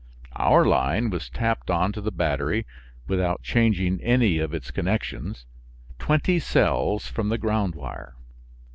Our line was tapped on to the battery (without changing any of its connections) twenty cells from the ground wire.